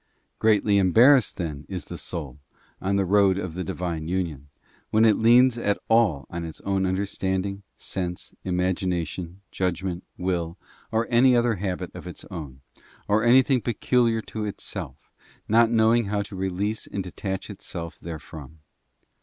Greatly embar rassed, then, is the soul, on the road of the Divine union, when it leans at all on its own understanding, sense, ima gination, judgment, will, or any other habits of its own, or anything peculiar to itself, not knowing how to release and detach itself therefrom.